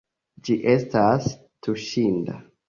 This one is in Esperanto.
Ĝi estas tuŝinda.